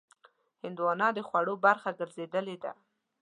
هندوانه د خوړو برخه ګرځېدلې ده.